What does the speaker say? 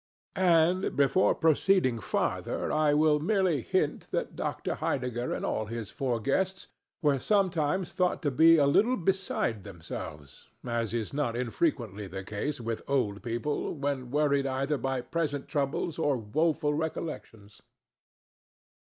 And before proceeding farther I will merely hint that Dr. Heidegger and all his four guests were sometimes thought to be a little beside themselves, as is not infrequently the case with old people when worried either by present troubles or woeful recollections.